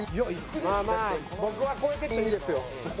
まあまあ僕は超えてっていいですよ。